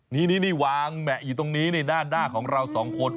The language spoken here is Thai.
นี่วางแหมะอยู่ตรงนี้ด้านหน้าของเราสองคน